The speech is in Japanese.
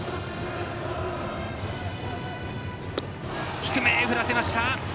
低め振らせました。